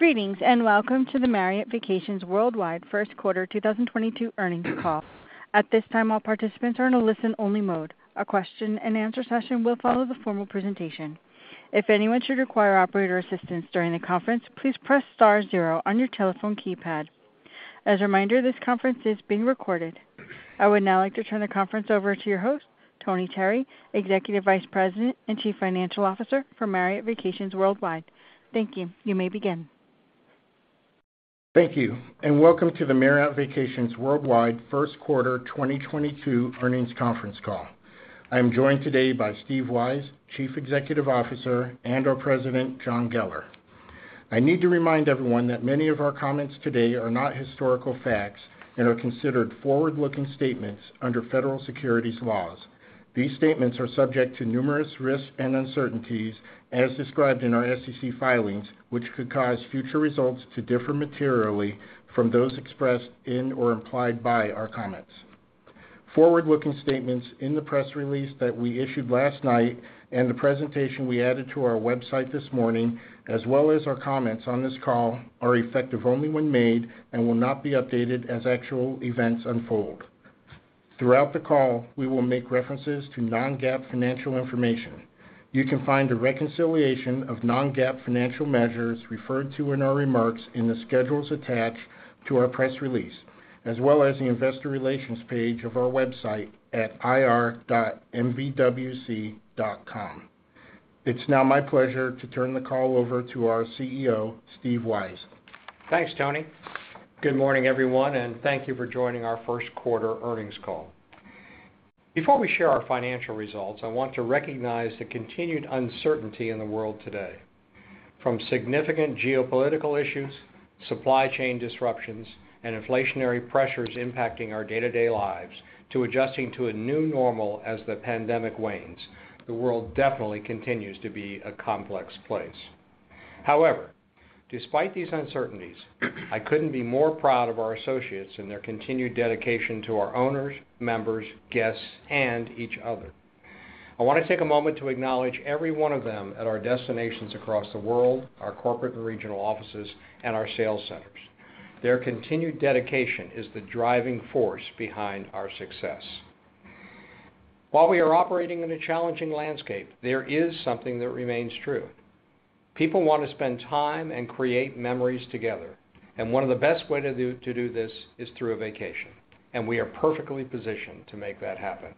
Greetings, and welcome to the Marriott Vacations Worldwide First Quarter 2022 Earnings Call. At this time, all participants are in a listen only mode. A question and answer session will follow the formal presentation. If anyone should require operator assistance during the conference, please press star zero on your telephone keypad. As a reminder, this conference is being recorded. I would now like to turn the conference over to your host, Tony Terry, Executive Vice President and Chief Financial Officer for Marriott Vacations Worldwide. Thank you. You may begin. Thank you, and welcome to the Marriott Vacations Worldwide First Quarter 2022 Earnings Conference Call. I'm joined today by Steve Weisz, Chief Executive Officer, and our President, John Geller. I need to remind everyone that many of our comments today are not historical facts and are considered forward-looking statements under federal securities laws. These statements are subject to numerous risks and uncertainties as described in our SEC filings, which could cause future results to differ materially from those expressed in or implied by our comments. Forward-looking statements in the press release that we issued last night and the presentation we added to our website this morning, as well as our comments on this call, are effective only when made and will not be updated as actual events unfold. Throughout the call, we will make references to non-GAAP financial information. You can find a reconciliation of non-GAAP financial measures referred to in our remarks in the schedules attached to our press release, as well as the investor relations page of our website at ir.mvwc.com. It's now my pleasure to turn the call over to our CEO, Steve Weisz. Thanks, Tony. Good morning, everyone, and thank you for joining our first quarter earnings call. Before we share our financial results, I want to recognize the continued uncertainty in the world today. From significant geopolitical issues, supply chain disruptions, and inflationary pressures impacting our day-to-day lives, to adjusting to a new normal as the pandemic wanes, the world definitely continues to be a complex place. However, despite these uncertainties, I couldn't be more proud of our associates and their continued dedication to our owners, members, guests, and each other. I wanna take a moment to acknowledge every one of them at our destinations across the world, our corporate and regional offices, and our sales centers. Their continued dedication is the driving force behind our success. While we are operating in a challenging landscape, there is something that remains true. People wanna spend time and create memories together, and one of the best way to do this is through a vacation, and we are perfectly positioned to make that happen.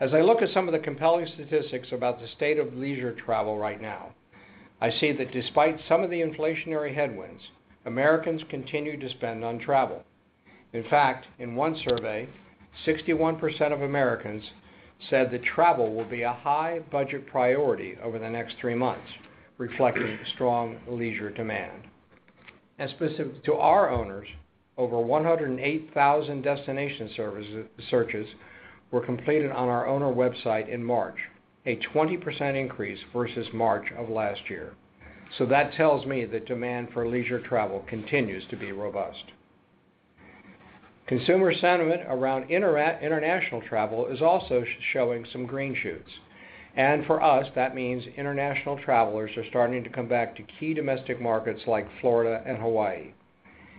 As I look at some of the compelling statistics about the state of leisure travel right now, I see that despite some of the inflationary headwinds, Americans continue to spend on travel. In fact, in one survey, 61% of Americans said that travel will be a high budget priority over the next three months, reflecting strong leisure demand. Specific to our owners, over 108,000 destination services searches were completed on our owner website in March, a 20% increase versus March of last year. That tells me that demand for leisure travel continues to be robust. Consumer sentiment around international travel is also showing some green shoots. For us, that means international travelers are starting to come back to key domestic markets like Florida and Hawaii.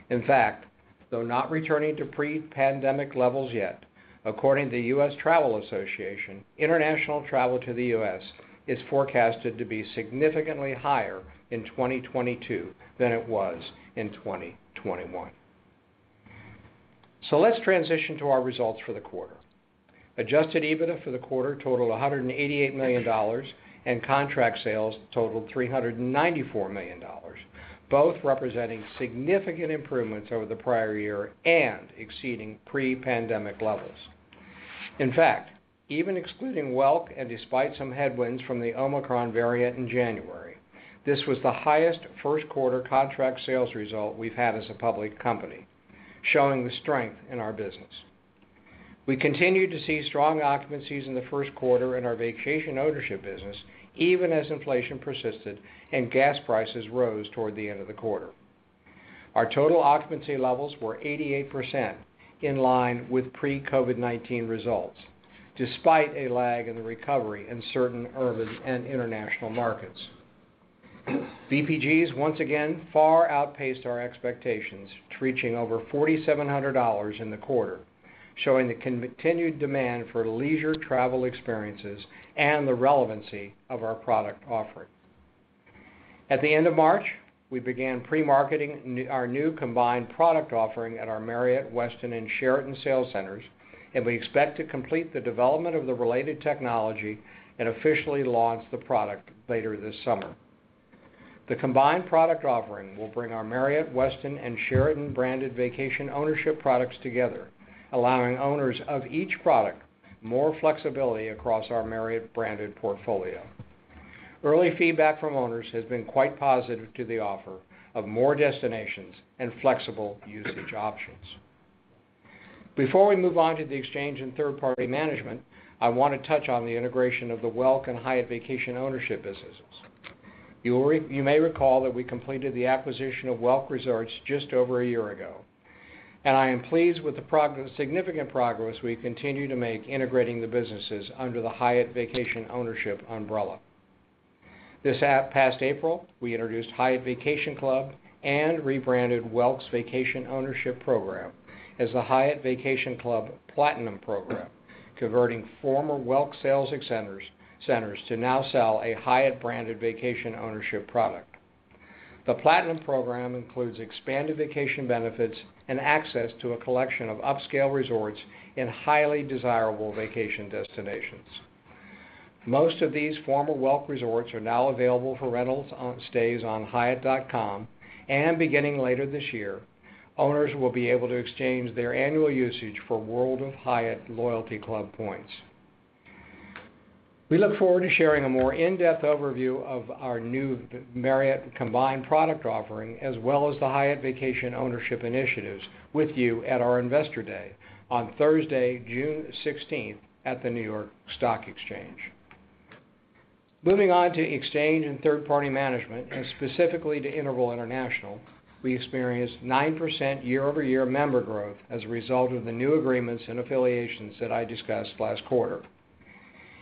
In fact, though not returning to pre-pandemic levels yet, according to U.S. Travel Association, international travel to the US is forecasted to be significantly higher in 2022 than it was in 2021. Let's transition to our results for the quarter. Adjusted EBITDA for the quarter totaled $188 million, and contract sales totaled $394 million, both representing significant improvements over the prior year and exceeding pre-pandemic levels. In fact, even excluding Welk and despite some headwinds from the Omicron variant in January, this was the highest first quarter contract sales result we've had as a public company, showing the strength in our business. We continued to see strong occupancies in the first quarter in our vacation ownership business, even as inflation persisted and gas prices rose toward the end of the quarter. Our total occupancy levels were 88% in line with pre-COVID-19 results, despite a lag in the recovery in certain urban and international markets. VPGs once again far outpaced our expectations, reaching over $4,700 in the quarter, showing the continued demand for leisure travel experiences and the relevancy of our product offering. At the end of March, we began pre-marketing our new combined product offering at our Marriott, Westin, and Sheraton sales centers, and we expect to complete the development of the related technology and officially launch the product later this summer. The combined product offering will bring our Marriott, Westin, and Sheraton branded vacation ownership products together, allowing owners of each product more flexibility across our Marriott branded portfolio. Early feedback from owners has been quite positive to the offer of more destinations and flexible usage options. Before we move on to the exchange and third-party management, I wanna touch on the integration of the Welk and Hyatt Vacation Ownership businesses. You may recall that we completed the acquisition of Welk Resorts just over a year ago. I am pleased with the significant progress we continue to make integrating the businesses under the Hyatt Vacation Ownership umbrella. This past April, we introduced Hyatt Vacation Club and rebranded Welk's Vacation Ownership program as the Hyatt Vacation Club Platinum Program, converting former Welk sales centers to now sell a Hyatt-branded vacation ownership product. The Platinum Program includes expanded vacation benefits and access to a collection of upscale resorts in highly desirable vacation destinations. Most of these former Welk Resorts are now available for stays on hyatt.com, and beginning later this year, owners will be able to exchange their annual usage for World of Hyatt loyalty club points. We look forward to sharing a more in-depth overview of our new Marriott combined product offering, as well as the Hyatt Vacation Ownership initiatives with you at our Investor Day on Thursday, June 16, at the New York Stock Exchange. Moving on to exchange and third-party management, and specifically to Interval International, we experienced 9% year-over-year member growth as a result of the new agreements and affiliations that I discussed last quarter.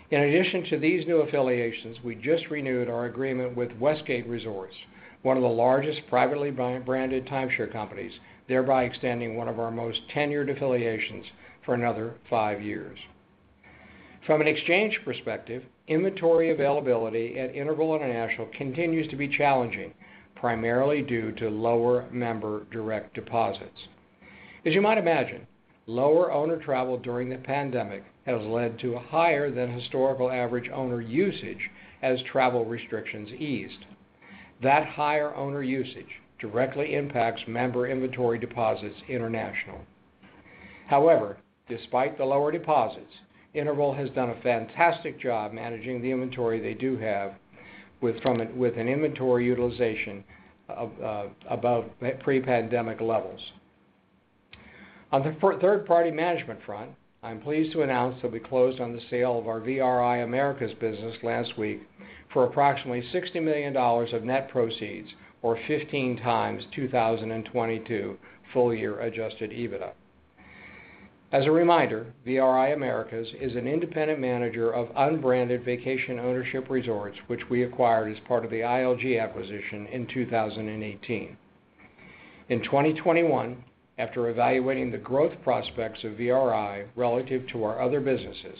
In addition to these new affiliations, we just renewed our agreement with Westgate Resorts, one of the largest privately held timeshare companies, thereby extending one of our most tenured affiliations for another 5 years. From an exchange perspective, inventory availability at Interval International continues to be challenging, primarily due to lower member direct deposits. As you might imagine, lower owner travel during the pandemic has led to a higher than historical average owner usage as travel restrictions eased. That higher owner usage directly impacts member inventory deposits into Interval. However, despite the lower deposits, Interval has done a fantastic job managing the inventory they do have with an inventory utilization of above pre-pandemic levels. On the third-party management front, I'm pleased to announce that we closed on the sale of our VRI Americas business last week for approximately $60 million of net proceeds or 15 times 2022 full-year adjusted EBITDA. As a reminder, VRI Americas is an independent manager of unbranded vacation ownership resorts which we acquired as part of the ILG acquisition in 2018. In 2021, after evaluating the growth prospects of VRI relative to our other businesses,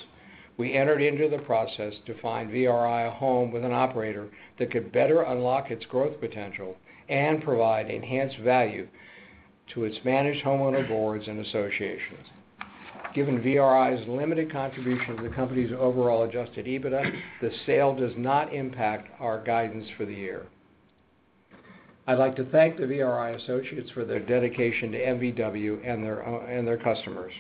we entered into the process to find VRI a home with an operator that could better unlock its growth potential and provide enhanced value to its managed homeowner boards and associations. Given VRI's limited contribution to the company's overall adjusted EBITDA, the sale does not impact our guidance for the year. I'd like to thank the VRI associates for their dedication to MVW and their customers.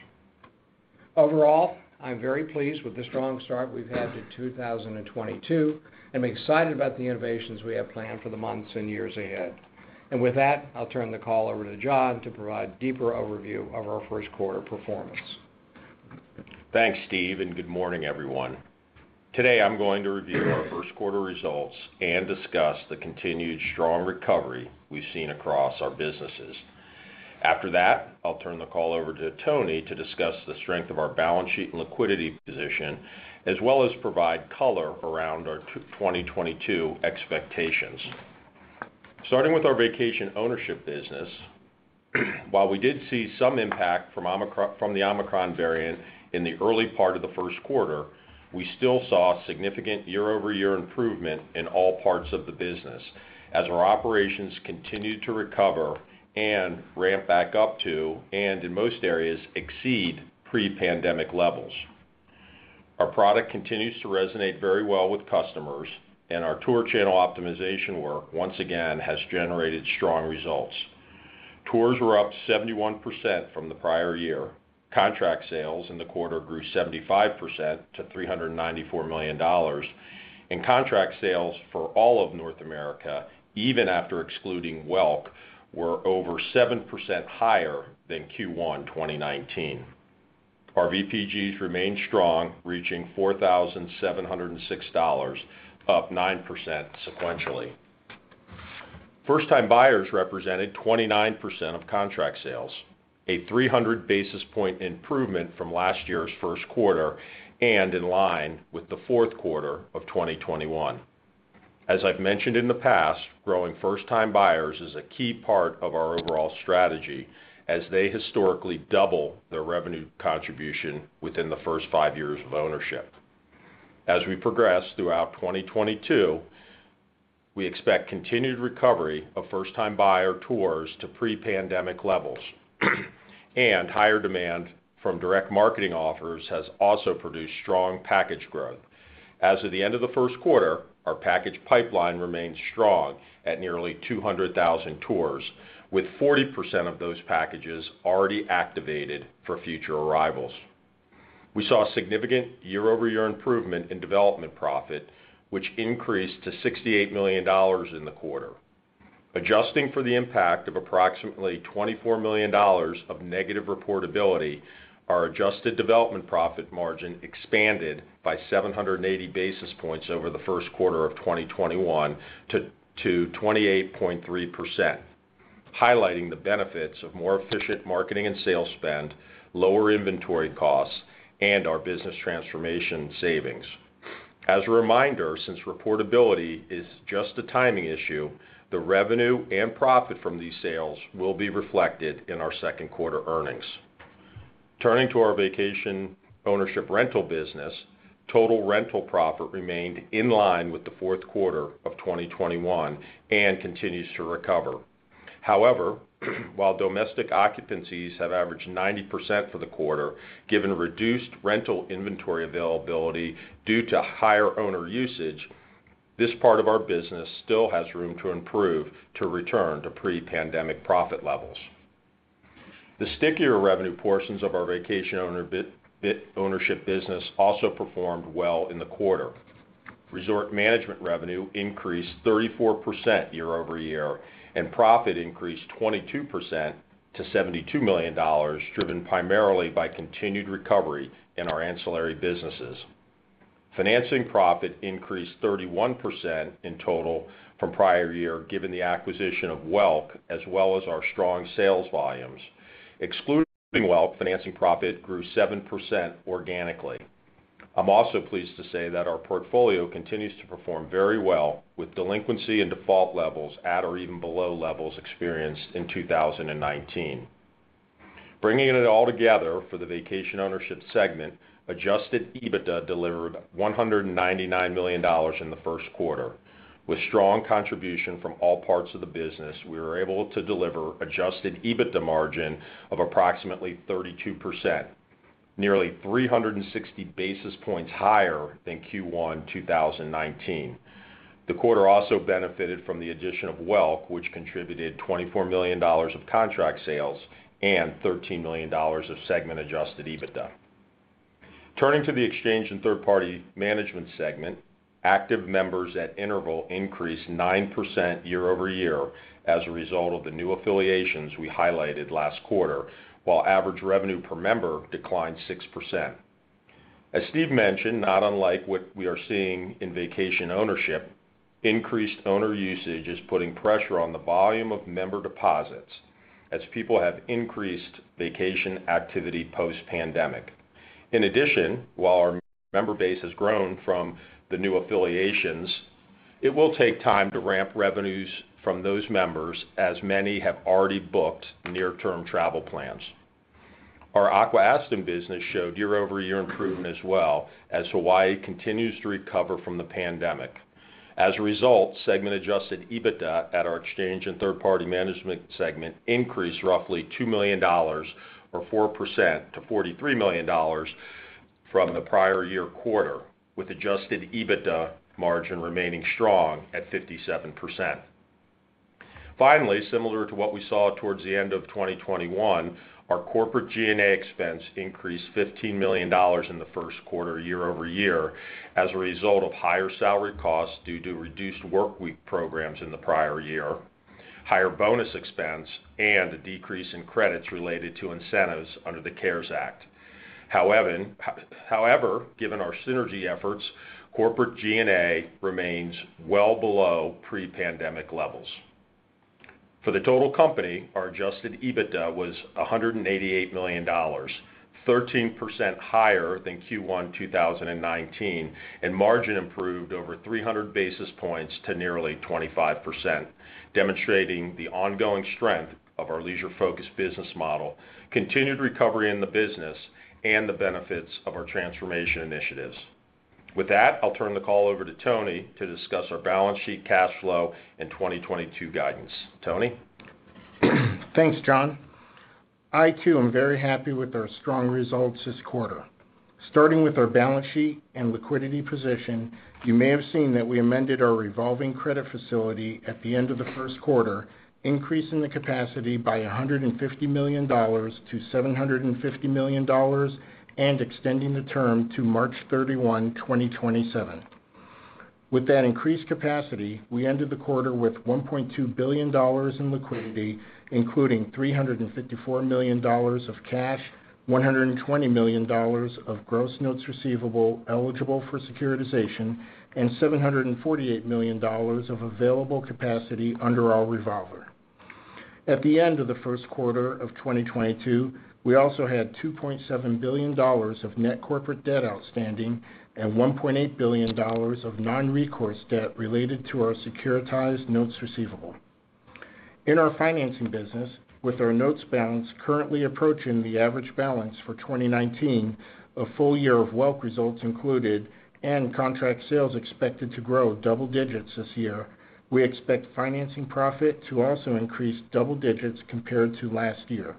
Overall, I'm very pleased with the strong start we've had to 2022, and I'm excited about the innovations we have planned for the months and years ahead. With that, I'll turn the call over to John to provide deeper overview of our first quarter performance. Thanks, Steve, and good morning, everyone. Today, I'm going to review our first quarter results and discuss the continued strong recovery we've seen across our businesses. After that, I'll turn the call over to Tony to discuss the strength of our balance sheet and liquidity position, as well as provide color around our 2022 expectations. Starting with our vacation ownership business, while we did see some impact from the Omicron variant in the early part of the first quarter, we still saw significant year-over-year improvement in all parts of the business as our operations continued to recover and ramp back up to, and in most areas, exceed pre-pandemic levels. Our product continues to resonate very well with customers, and our tour channel optimization work, once again, has generated strong results. Tours were up 71% from the prior year. Contract sales in the quarter grew 75% to $394 million. Contract sales for all of North America, even after excluding Welk, were over 7% higher than Q1 2019. Our VPGs remained strong, reaching $4,706, up 9% sequentially. First-time buyers represented 29% of contract sales, a 300 basis point improvement from last year's first quarter and in line with the fourth quarter of 2021. As I've mentioned in the past, growing first-time buyers is a key part of our overall strategy as they historically double their revenue contribution within the first five years of ownership. As we progress throughout 2022, we expect continued recovery of first-time buyer tours to pre-pandemic levels. Higher demand from direct marketing offers has also produced strong package growth. As of the end of the first quarter, our package pipeline remains strong at nearly 200,000 tours, with 40% of those packages already activated for future arrivals. We saw significant year-over-year improvement in development profit, which increased to $68 million in the quarter. Adjusting for the impact of approximately $24 million of negative reportability, our adjusted development profit margin expanded by 780 basis points over the first quarter of 2021 to 28.3%. Highlighting the benefits of more efficient marketing and sales spend, lower inventory costs, and our business transformation savings. As a reminder, since reportability is just a timing issue, the revenue and profit from these sales will be reflected in our second quarter earnings. Turning to our vacation ownership rental business, total rental profit remained in line with the fourth quarter of 2021 and continues to recover. However, while domestic occupancies have averaged 90% for the quarter, given reduced rental inventory availability due to higher owner usage, this part of our business still has room to improve to return to pre-pandemic profit levels. The stickier revenue portions of our vacation ownership business also performed well in the quarter. Resort management revenue increased 34% year-over-year, and profit increased 22% to $72 million, driven primarily by continued recovery in our ancillary businesses. Financing profit increased 31% in total from prior year given the acquisition of Welk, as well as our strong sales volumes. Excluding Welk, financing profit grew 7% organically. I'm also pleased to say that our portfolio continues to perform very well with delinquency and default levels at or even below levels experienced in 2019. Bringing it all together for the vacation ownership segment, adjusted EBITDA delivered $199 million in the first quarter. With strong contribution from all parts of the business, we were able to deliver adjusted EBITDA margin of approximately 32%, nearly 360 basis points higher than Q1 2019. The quarter also benefited from the addition of Welk, which contributed $24 million of contract sales and $13 million of segment adjusted EBITDA. Turning to the exchange and third-party management segment, active members at Interval increased 9% year-over-year as a result of the new affiliations we highlighted last quarter, while average revenue per member declined 6%. As Steve mentioned, not unlike what we are seeing in vacation ownership, increased owner usage is putting pressure on the volume of member deposits as people have increased vacation activity post-pandemic. In addition, while our member base has grown from the new affiliations, it will take time to ramp revenues from those members, as many have already booked near-term travel plans. Our Aqua-Aston business showed year-over-year improvement as well, as Hawaii continues to recover from the pandemic. As a result, segment adjusted EBITDA at our exchange and third-party management segment increased roughly $2 million or 4% to $43 million from the prior year quarter, with adjusted EBITDA margin remaining strong at 57%. Finally, similar to what we saw towards the end of 2021, our corporate G&A expense increased $15 million in the first quarter year-over-year as a result of higher salary costs due to reduced work week programs in the prior year, higher bonus expense, and a decrease in credits related to incentives under the CARES Act. However, given our synergy efforts, corporate G&A remains well below pre-pandemic levels. For the total company, our adjusted EBITDA was $188 million, 13% higher than Q1 2019, and margin improved over 300 basis points to nearly 25%, demonstrating the ongoing strength of our leisure-focused business model, continued recovery in the business, and the benefits of our transformation initiatives. With that, I'll turn the call over to Tony to discuss our balance sheet cash flow and 2022 guidance. Tony? Thanks, John. I too am very happy with our strong results this quarter. Starting with our balance sheet and liquidity position, you may have seen that we amended our revolving credit facility at the end of the first quarter, increasing the capacity by $150 million to $750 million and extending the term to March 31, 2027. With that increased capacity, we ended the quarter with $1.2 billion in liquidity, including $354 million of cash, $120 million of gross notes receivable eligible for securitization, and $748 million of available capacity under our revolver. At the end of the first quarter of 2022, we also had $2.7 billion of net corporate debt outstanding and $1.8 billion of non-recourse debt related to our securitized notes receivable. In our financing business, with our notes balance currently approaching the average balance for 2019, a full year of Welk results included and contract sales expected to grow double digits this year, we expect financing profit to also increase double digits compared to last year.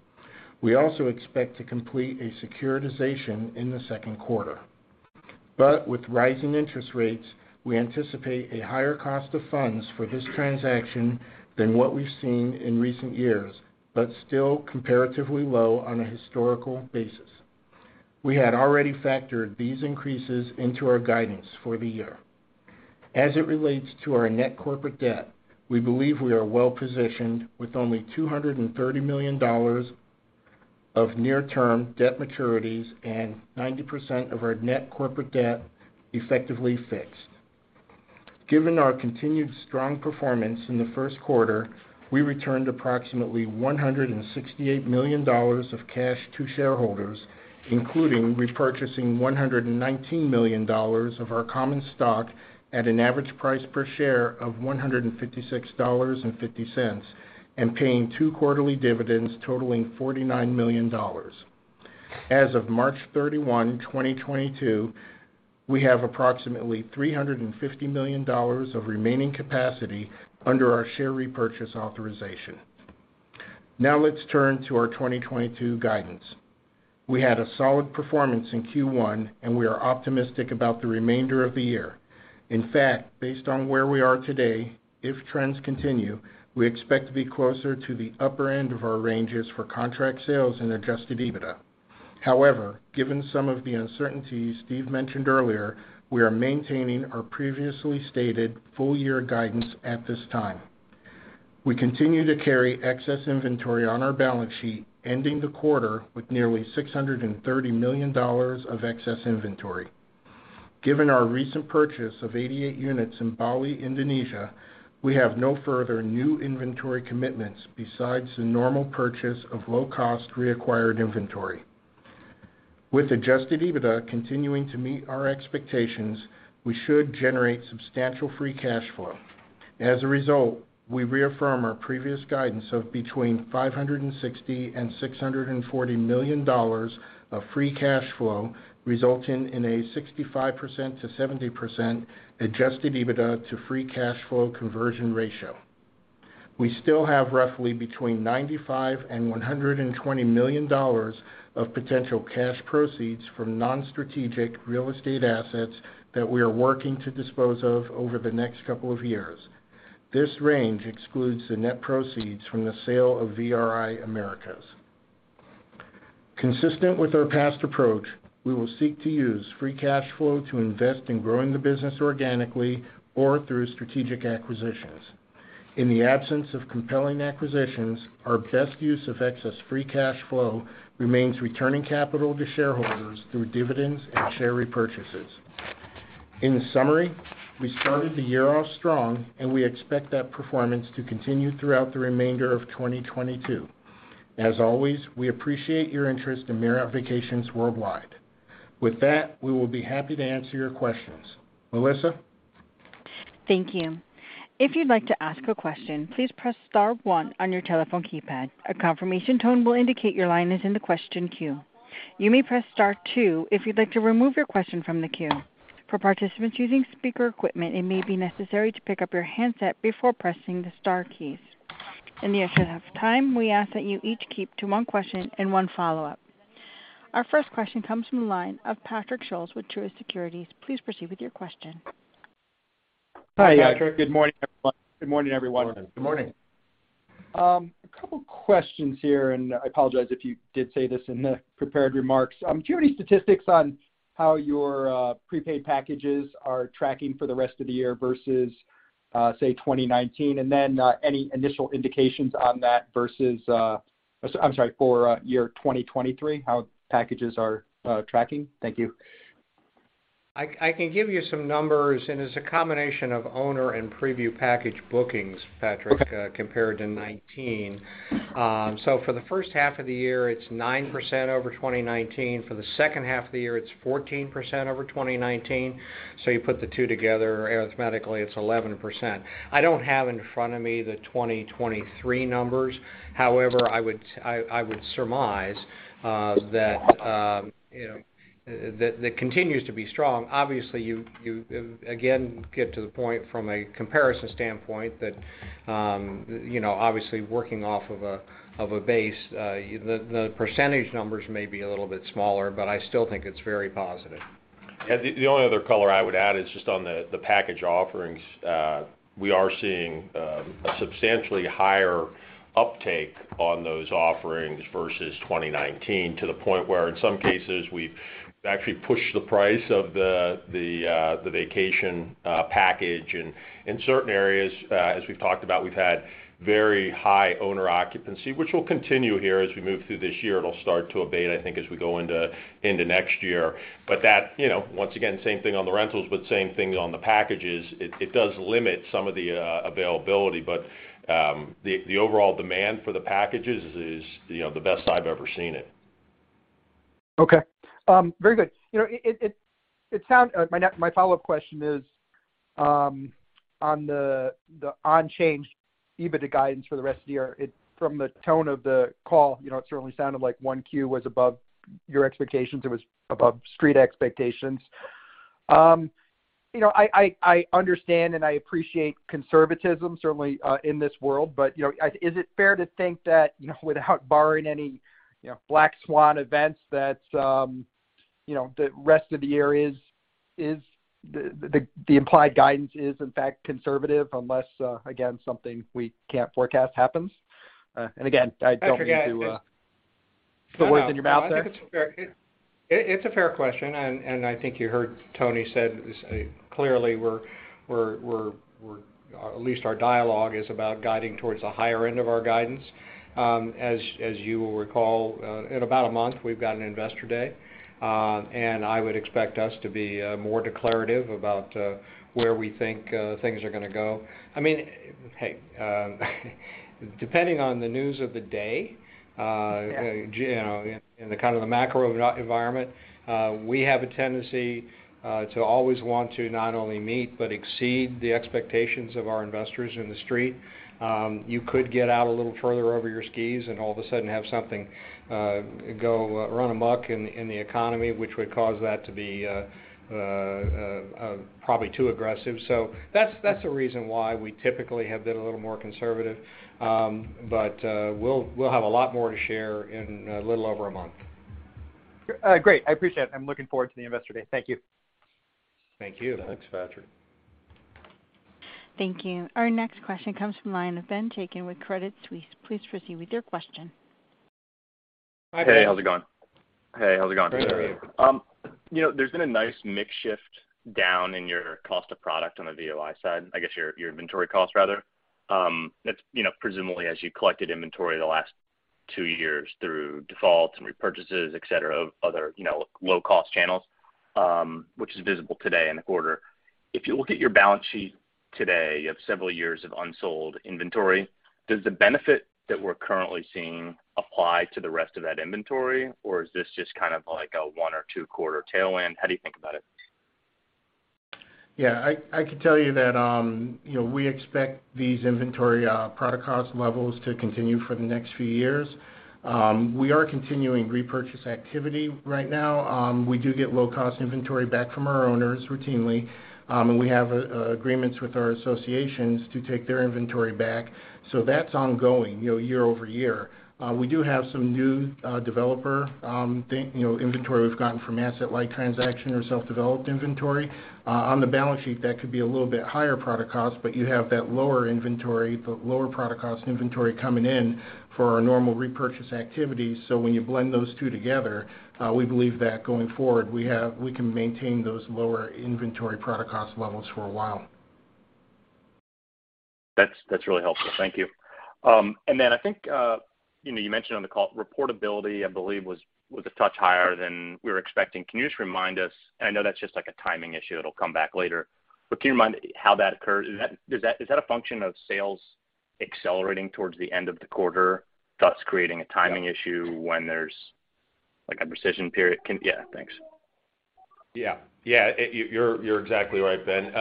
We also expect to complete a securitization in the second quarter. With rising interest rates, we anticipate a higher cost of funds for this transaction than what we've seen in recent years, but still comparatively low on a historical basis. We had already factored these increases into our guidance for the year. As it relates to our net corporate debt, we believe we are well-positioned with only $230 million of near term debt maturities and 90% of our net corporate debt effectively fixed. Given our continued strong performance in the first quarter, we returned approximately $168 million of cash to shareholders, including repurchasing $119 million of our common stock at an average price per share of $156.50, and paying two quarterly dividends totaling $49 million. As of March 31, 2022, we have approximately $350 million of remaining capacity under our share repurchase authorization. Now let's turn to our 2022 guidance. We had a solid performance in Q1, and we are optimistic about the remainder of the year. In fact, based on where we are today, if trends continue, we expect to be closer to the upper end of our ranges for contract sales and adjusted EBITDA. However, given some of the uncertainties Steve mentioned earlier, we are maintaining our previously stated full year guidance at this time. We continue to carry excess inventory on our balance sheet, ending the quarter with nearly $630 million of excess inventory. Given our recent purchase of 88 units in Bali, Indonesia, we have no further new inventory commitments besides the normal purchase of low cost reacquired inventory. With adjusted EBITDA continuing to meet our expectations, we should generate substantial free cash flow. As a result, we reaffirm our previous guidance of between $560 million and $640 million of free cash flow, resulting in a 65%-70% adjusted EBITDA to free cash flow conversion ratio. We still have roughly between $95 million and $120 million of potential cash proceeds from non-strategic real estate assets that we are working to dispose of over the next couple of years. This range excludes the net proceeds from the sale of VRI Americas. Consistent with our past approach, we will seek to use free cash flow to invest in growing the business organically or through strategic acquisitions. In the absence of compelling acquisitions, our best use of excess free cash flow remains returning capital to shareholders through dividends and share repurchases. In summary, we started the year off strong, and we expect that performance to continue throughout the remainder of 2022. As always, we appreciate your interest in Marriott Vacations Worldwide. With that, we will be happy to answer your questions. Melissa? Thank you. If you'd like to ask a question, please press star one on your telephone keypad. A confirmation tone will indicate your line is in the question queue. You may press star two if you'd like to remove your question from the queue. For participants using speaker equipment, it may be necessary to pick up your handset before pressing the star keys. In the interest of time, we ask that you each keep to one question and one follow-up. Our first question comes from the line of Patrick Scholes with Truist Securities. Please proceed with your question. Hi, Patrick. Good morning, everyone. Good morning. A couple questions here, and I apologize if you did say this in the prepared remarks. Do you have any statistics on how your prepaid packages are tracking for the rest of the year versus say, 2019? Any initial indications on that for year 2023, how packages are tracking? Thank you. I can give you some numbers, and it's a combination of owner and preview package bookings, Patrick. Okay. Compared to 2019. For the first half of the year, it's 9% over 2019. For the second half of the year, it's 14% over 2019. You put the two together, arithmetically, it's 11%. I don't have in front of me the 2023 numbers. However, I would surmise that you know that continues to be strong. Obviously, you again get to the point from a comparison standpoint that you know obviously working off of a base, the percentage numbers may be a little bit smaller, but I still think it's very positive. The only other color I would add is just on the package offerings. We are seeing a substantially higher uptake on those offerings versus 2019, to the point where in some cases we've actually pushed the price of the vacation package. In certain areas, as we've talked about, we've had very high owner occupancy, which will continue here as we move through this year. It'll start to abate, I think, as we go into next year. That, you know, once again, same thing on the rentals, but same thing on the packages. It does limit some of the availability. The overall demand for the packages is, you know, the best I've ever seen it. Okay. Very good. You know, my follow-up question is on the unchanged EBITDA guidance for the rest of the year. From the tone of the call, you know, it certainly sounded like 1Q was above your expectations, it was above street expectations. You know, I understand and I appreciate conservatism certainly in this world. You know, is it fair to think that, you know, without barring any, you know, black swan events, that, you know, the rest of the year is the implied guidance is in fact conservative, unless again, something we can't forecast happens? And again, I don't mean to. I forget. Put words in your mouth there. It's a fair question, and I think you heard Tony say this, clearly we're We're at least our dialogue is about guiding towards the higher end of our guidance. As you will recall, in about a month, we've got an Investor Day. I would expect us to be more declarative about where we think things are gonna go. I mean, hey, depending on the news of the day, you know, in the kind of macro environment, we have a tendency to always want to not only meet but exceed the expectations of our investors in the street. You could get out a little further over your skis and all of a sudden have something go run amok in the economy, which would cause that to be probably too aggressive. That's the reason why we typically have been a little more conservative. We'll have a lot more to share in a little over a month. Great. I appreciate it. I'm looking forward to the Investor Day. Thank you. Thank you. Thanks, Patrick. Thank you. Our next question comes from line of Ben Chaiken with Credit Suisse. Please proceed with your question. Hi, Ben. Hey, how's it going? Hey, how's it going? Great. You know, there's been a nice mix shift down in your cost of product on the VOI side, I guess your inventory cost rather. That's, you know, presumably as you collected inventory the last two years through defaults and repurchases, et cetera, other, you know, low-cost channels, which is visible today in the quarter. If you look at your balance sheet today, you have several years of unsold inventory. Does the benefit that we're currently seeing apply to the rest of that inventory, or is this just kind of like a one or two-quarter tailwind? How do you think about it? Yeah, I can tell you that, you know, we expect these inventory product cost levels to continue for the next few years. We are continuing repurchase activity right now. We do get low-cost inventory back from our owners routinely. We have agreements with our associations to take their inventory back. That's ongoing, you know, year over year. We do have some new developer thing, you know, inventory we've gotten from asset-light transaction or self-developed inventory. On the balance sheet, that could be a little bit higher product cost, but you have that lower inventory, but lower product cost inventory coming in for our normal repurchase activity. When you blend those two together, we believe that going forward, we can maintain those lower inventory product cost levels for a while. That's really helpful. Thank you. I think, you know, you mentioned on the call, reportability, I believe, was a touch higher than we were expecting. Can you just remind us, and I know that's just like a timing issue, it'll come back later, but can you remind how that occurs? Is that a function of sales accelerating towards the end of the quarter, thus creating a timing issue when there's like a rescission period? Yeah, thanks. You're exactly right, Ben.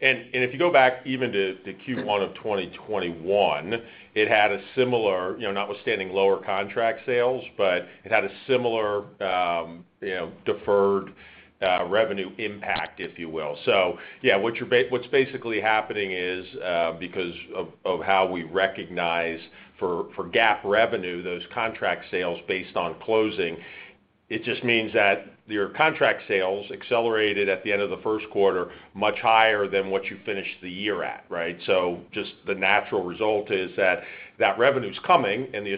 If you go back even to Q1 of 2021, it had a similar, you know, notwithstanding lower contract sales, but it had a similar, you know, deferred revenue impact, if you will. What's basically happening is, because of how we recognize for GAAP revenue, those contract sales based on closing, it just means that your contract sales accelerated at the end of the first quarter much higher than what you finished the year at, right? Just the natural result is that that revenue's coming and the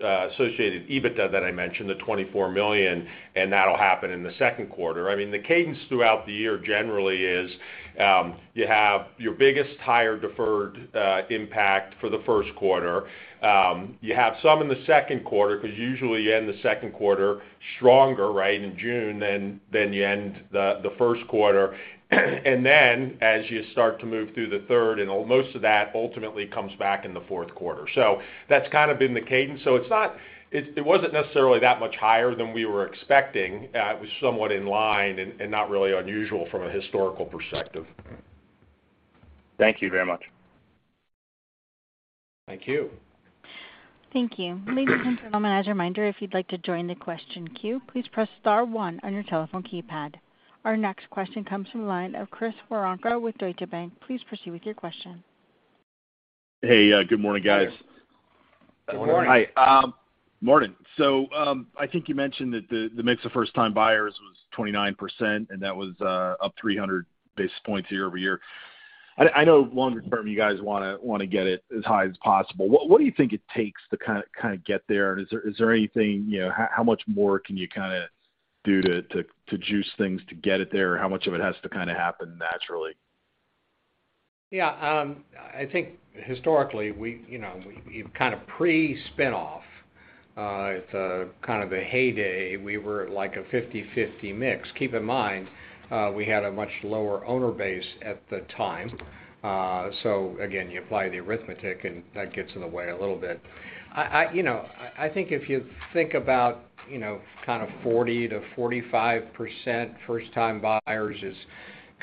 associated EBITDA that I mentioned, the $24 million, and that'll happen in the second quarter. I mean, the cadence throughout the year generally is, you have your biggest higher deferred impact for the first quarter. You have some in the second quarter because usually you end the second quarter stronger, right, in June than you end the first quarter. Then as you start to move through the third and most of that ultimately comes back in the fourth quarter. That's kind of been the cadence. It wasn't necessarily that much higher than we were expecting. It was somewhat in line and not really unusual from a historical perspective. Thank you very much. Thank you. Thank you. Ladies and gentlemen, as a reminder, if you'd like to join the question queue, please press star one on your telephone keypad. Our next question comes from the line of Chris Woronka with Deutsche Bank. Please proceed with your question. Hey, good morning, guys. Good morning. Good morning. Hi. Morning. I think you mentioned that the mix of first-time buyers was 29%, and that was up 300 basis points year-over-year. I know longer term, you guys wanna get it as high as possible. What do you think it takes to kind of get there? Is there anything, you know, how much more can you kind of do to juice things to get it there? How much of it has to kind of happen naturally? Yeah, I think historically, we, you know, kind of pre-spin off, it's kind of a heyday. We were like a 50/50 mix. Keep in mind, we had a much lower owner base at the time. Again, you apply the arithmetic, and that gets in the way a little bit. I, you know, I think if you think about, you know, kind of 40%-45% first-time buyers is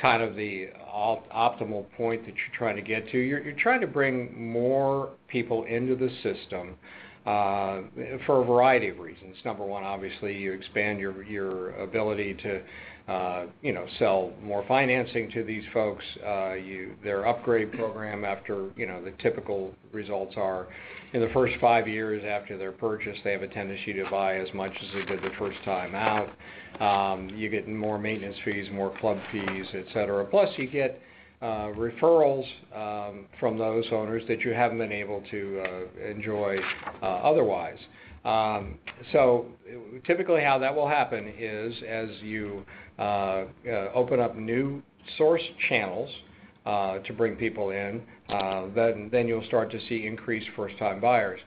kind of the optimal point that you're trying to get to. You're trying to bring more people into the system, for a variety of reasons. Number one, obviously, you expand your ability to, you know, sell more financing to these folks. Their upgrade program after, you know, the typical results are in the first five years after their purchase, they have a tendency to buy as much as they did the first time out. You get more maintenance fees, more club fees, et cetera. Plus you get referrals from those owners that you haven't been able to enjoy otherwise. Typically how that will happen is as you open up new source channels to bring people in, then you'll start to see increased first-time buyers.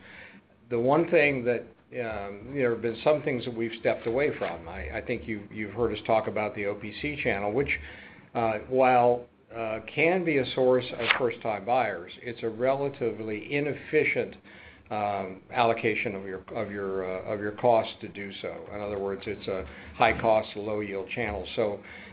The one thing that, you know, there have been some things that we've stepped away from. I think you've heard us talk about the OPC channel, which can be a source of first-time buyers. It's a relatively inefficient allocation of your cost to do so. In other words, it's a high-cost, low-yield channel.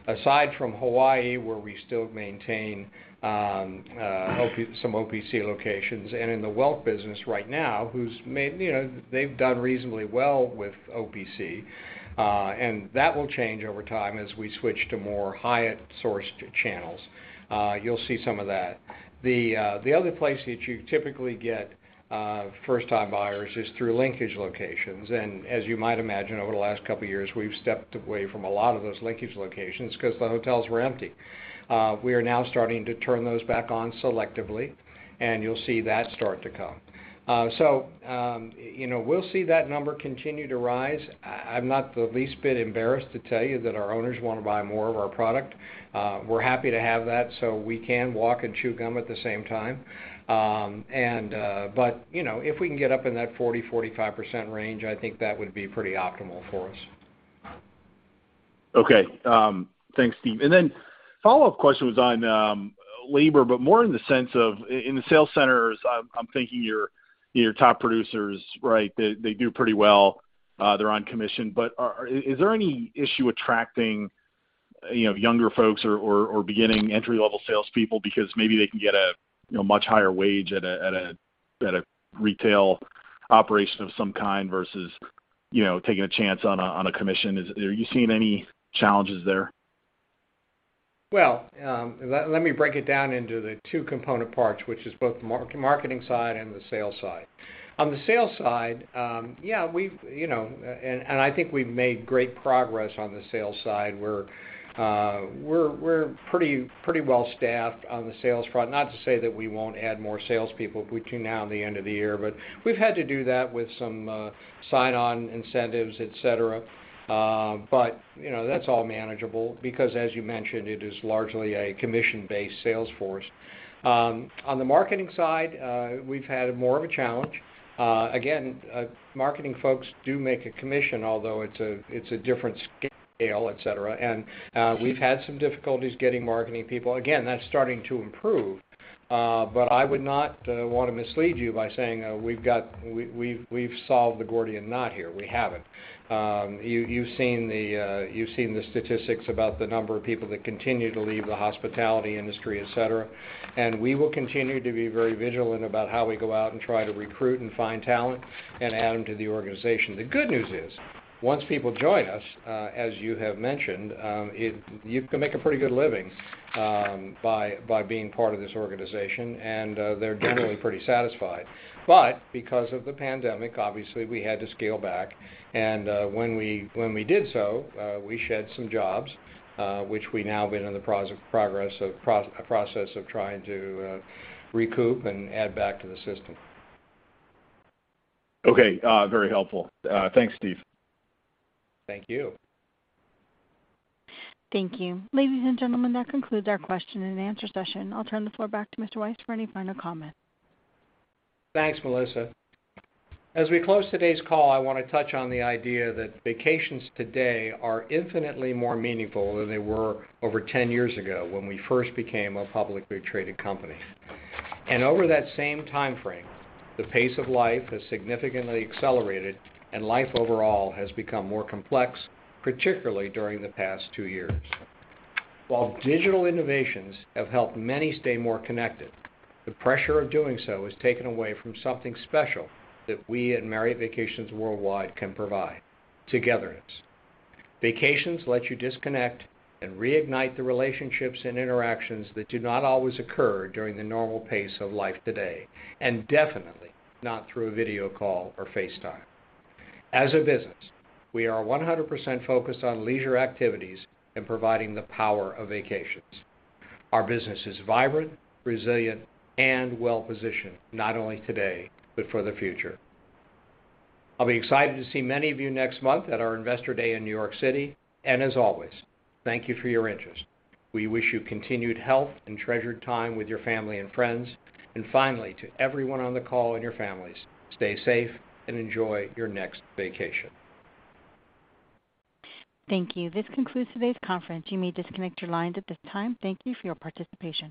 Aside from Hawaii, where we still maintain some OPC locations, and in the Welk business right now, who's managing, you know, they've done reasonably well with OPC, and that will change over time as we switch to more Hyatt-sourced channels. You'll see some of that. The other place that you typically get first-time buyers is through linkage locations. As you might imagine, over the last couple years, we've stepped away from a lot of those linkage locations 'cause the hotels were empty. We are now starting to turn those back on selectively, and you'll see that start to come. You know, we'll see that number continue to rise. I'm not the least bit embarrassed to tell you that our owners wanna buy more of our product. We're happy to have that so we can walk and chew gum at the same time. You know, if we can get up in that 40-45% range, I think that would be pretty optimal for us. Okay. Thanks, Steve. Then follow-up question was on labor, but more in the sense of in the sales centers. I'm thinking your top producers, right, they do pretty well. They're on commission. But is there any issue attracting, you know, younger folks or beginning entry-level salespeople because maybe they can get a, you know, much higher wage at a retail operation of some kind versus, you know, taking a chance on a commission? Are you seeing any challenges there? Well, let me break it down into the two component parts, which is both the marketing side and the sales side. On the sales side, yeah, you know, and I think we've made great progress on the sales side. We're pretty well staffed on the sales front. Not to say that we won't add more salespeople. We do now in the end of the year, but we've had to do that with some sign-on incentives, et cetera. You know, that's all manageable because as you mentioned, it is largely a commission-based sales force. On the marketing side, we've had more of a challenge. Again, marketing folks do make a commission, although it's a different scale, et cetera. We've had some difficulties getting marketing people. Again, that's starting to improve, but I would not wanna mislead you by saying we've solved the Gordian knot here. We haven't. You've seen the statistics about the number of people that continue to leave the hospitality industry, et cetera. We will continue to be very vigilant about how we go out and try to recruit and find talent and add them to the organization. The good news is once people join us, as you have mentioned, you can make a pretty good living by being part of this organization, and they're generally pretty satisfied. Because of the pandemic, obviously, we had to scale back. When we did so, we shed some jobs, which we now been in the process of trying to recoup and add back to the system. Okay, very helpful. Thanks, Steve. Thank you. Thank you. Ladies and gentlemen, that concludes our question-and-answer session. I'll turn the floor back to Mr. Weisz for any final comments. Thanks, Melissa. As we close today's call, I wanna touch on the idea that vacations today are infinitely more meaningful than they were over 10 years ago when we first became a publicly traded company. Over that same timeframe, the pace of life has significantly accelerated, and life overall has become more complex, particularly during the past 2 years. While digital innovations have helped many stay more connected, the pressure of doing so is taken away from something special that we at Marriott Vacations Worldwide can provide, togetherness. Vacations let you disconnect and reignite the relationships and interactions that do not always occur during the normal pace of life today, and definitely not through a video call or FaceTime. As a business, we are 100% focused on leisure activities and providing the power of vacations. Our business is vibrant, resilient, and well-positioned, not only today but for the future. I'll be excited to see many of you next month at our Investor Day in New York City. As always, thank you for your interest. We wish you continued health and treasured time with your family and friends. Finally, to everyone on the call and your families, stay safe and enjoy your next vacation. Thank you. This concludes today's conference. You may disconnect your lines at this time. Thank you for your participation.